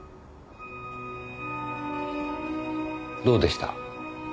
どうでした？